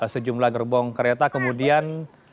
sejumlah gerbong kereta kemudian